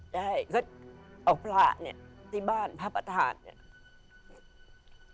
ได้ก็เอาพระเนี่ยที่บ้านพระประธานเนี่ย